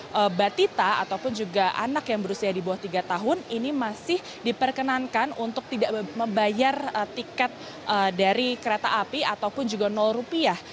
jadi batita ataupun juga anak yang berusia di bawah tiga tahun ini masih diperkenankan untuk tidak membayar tiket dari kereta api ataupun juga rupiah